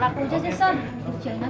gua juga geling kan kayaknya